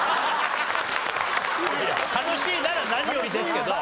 楽しいなら何よりですけど。